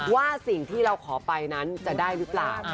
ว่าสิ่งที่เราขอไปนั้นจะได้หรือเปล่า